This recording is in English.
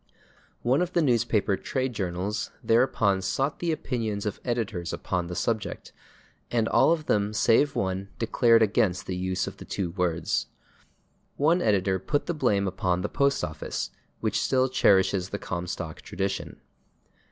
One of the newspaper trade journals thereupon sought the opinions of editors upon the subject, and all of them save one declared against the use of the two words. One editor put the blame upon the Postoffice, which still cherishes the Comstock tradition.